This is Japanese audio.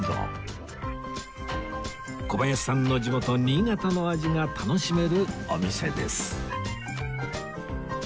小林さんの地元新潟の味が楽しめるお店です